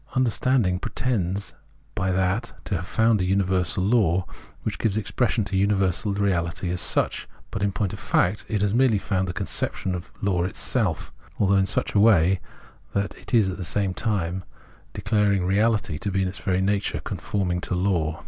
Under standing pretends by that to have found a universal law which gives expression to universal reality as such ; but, in point of fact, it has merely found the conception of law itself, although in such a way that it at the same time thereby declares all reality to be in its very nature conformed to law.